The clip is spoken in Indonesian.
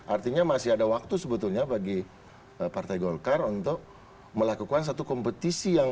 artinya masih ada waktu sebetulnya bagi partai golkar untuk melakukan satu kompetisi yang